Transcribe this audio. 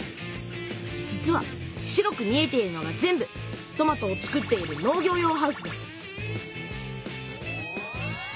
実は白く見えているのが全部トマトを作っている農業用ハウスです